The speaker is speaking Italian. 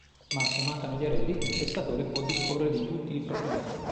Ma se mancano gli eredi, il testatore può disporre di tutti i propri beni.